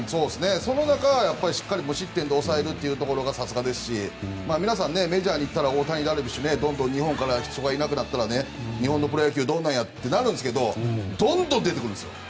その中、しっかり無失点で抑えるところがさすがですし皆さんメジャーに行ったら大谷、ダルビッシュどんどん日本から人がいなくなったら日本のプロ野球どうなるんだってなるけどどんどん出てくるんですよ